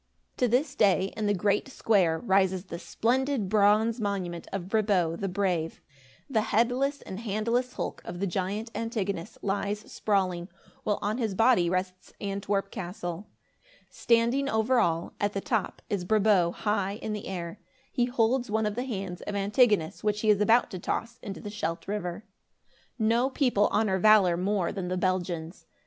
To this day, in the great square, rises the splendid bronze monument of Brabo the Brave. The headless and handless hulk of the giant Antigonus lies sprawling, while on his body rests Antwerp castle. Standing over all, at the top, is Brabo high in air. He holds one of the hands of Antigonus, which he is about to toss into the Scheldt River. No people honor valor more than the Belgians.